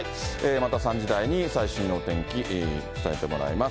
また３時台に、最新のお天気伝えてもらいます。